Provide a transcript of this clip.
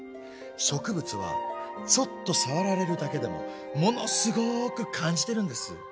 植物はちょっと触られるだけでもものすごく感じてるんです。